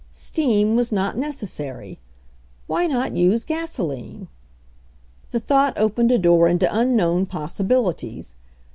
Steam was not necessary. Why not use gaso line? The thought opened a door into unknown pos sibilities.